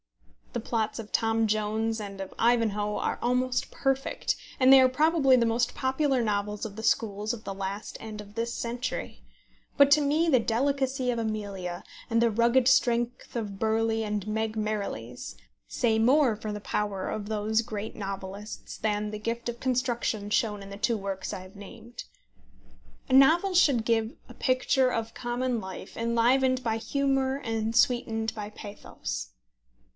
The plots of Tom Jones and of Ivanhoe are almost perfect, and they are probably the most popular novels of the schools of the last and of this century; but to me the delicacy of Amelia, and the rugged strength of Burley and Meg Merrilies, say more for the power of those great novelists than the gift of construction shown in the two works I have named. A novel should give a picture of common life enlivened by humour and sweetened by pathos.